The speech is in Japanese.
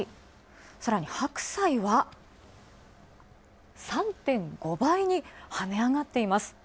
さらに白菜は３．５倍に跳ね上がっています。